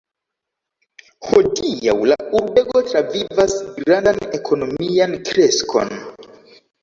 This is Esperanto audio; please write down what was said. Hodiaŭ la urbego travivas grandan ekonomian kreskon.